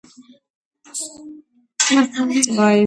ცხოვრობენ ტენიან ნიადაგში.